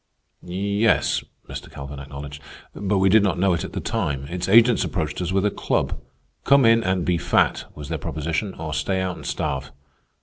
"Yes," Mr. Calvin acknowledged. "But we did not know it at the time. Its agents approached us with a club. "Come in and be fat," was their proposition, "or stay out and starve."